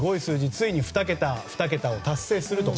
ついに２桁２桁を達成すると。